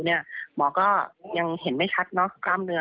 หมอก็ยังเห็นไม่ชัดเนอะกล้ามเนื้อ